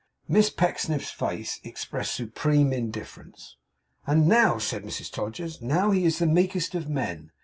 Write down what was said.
Miss Pecksniff's face expressed supreme indifference. 'And now,' said Mrs Todgers, 'now he is the meekest of men.